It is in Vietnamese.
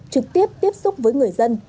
trực tiếp tiếp xúc với người dân